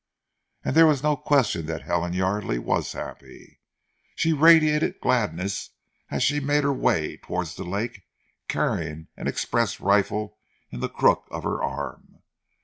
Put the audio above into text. And there was no question that Helen Yardely was happy. She radiated gladness as she made her way towards the lake carrying an express rifle in the crook of her arm.